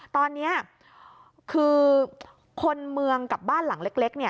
ตอนนี้คือคนเมืองกับบ้านหลังเล็ก